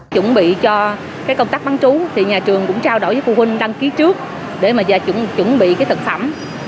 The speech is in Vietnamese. chuẩn bị cho công tác bán trú nhà trường cũng trao đổi với phụ huynh đăng ký trước để chuẩn bị thực phẩm